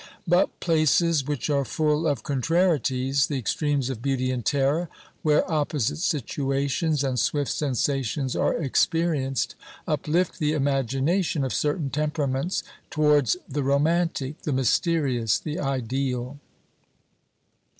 But places which are full of contrarieties, the extremes of beauty and terror, where opposite situations and swift sensations are experienced, uplift the imagination of certain temperaments towards the romantic, the mysterious, the ideal.